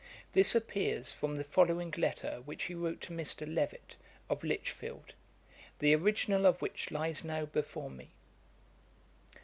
This appears from the following letter which he wrote to Mr. Levett, of Lichfield, the original of which lies now before me.